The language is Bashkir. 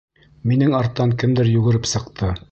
Минең арттан кемдер йүгереп сыҡты.